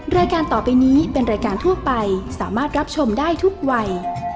รายการต่อไปนี้เป็นรายการทั่วไปสามารถรับชมได้ทุกวัย